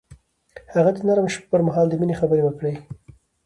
هغه د نرم شپه پر مهال د مینې خبرې وکړې.